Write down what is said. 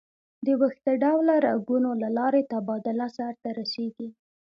د ویښته ډوله رګونو له لارې تبادله سر ته رسېږي.